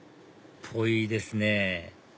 ぽいですね